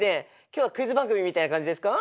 今日はクイズ番組みたいな感じですか？